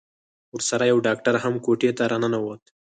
ورسره يو ډاکتر هم کوټې ته راننوت.